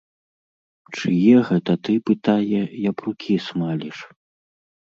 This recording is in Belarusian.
Чые гэта ты, пытае, япрукі смаліш?